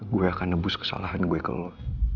gue akan nebus kesalahan gue ke lo